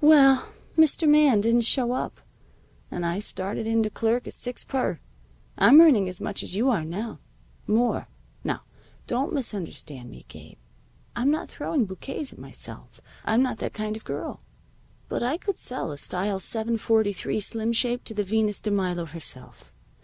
Well, Mr. Man didn't show up, and I started in to clerk at six per. I'm earning as much as you are now. More. Now, don't misunderstand me, Gabe. I'm not throwing bouquets at myself. I'm not that kind of a girl. But I could sell a style 743 Slimshape to the Venus de Milo herself.